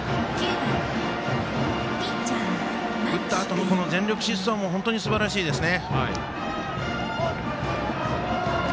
打ったあとの全力疾走も本当にすばらしいですね。